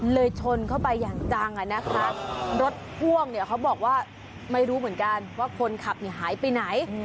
ชนเข้าไปอย่างจังอ่ะนะคะรถพ่วงเนี่ยเขาบอกว่าไม่รู้เหมือนกันว่าคนขับหายไปไหน